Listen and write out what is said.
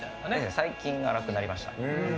最近、粗くなりました。